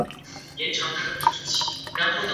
这给出了以一种几何的方式看商空间的方法。